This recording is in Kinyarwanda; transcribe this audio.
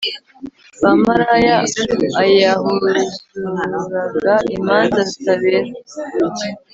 bamaraya, ayahuzuraga imanza zitabera